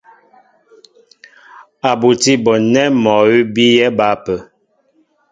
A butí a bon nɛ́ mɔ awʉ́ bíyɛ́ ba ápə́.